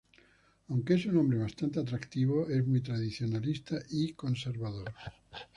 Aunque es un hombre bastante atractivo, es muy tradicionalista y conservador.